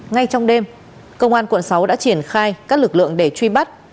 ngay trong đêm công an quận sáu đã triển khai các lực lượng để truy bắt